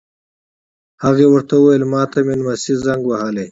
هغه ور ته وویل: ما ته مې نمسی زنګ وهلی و.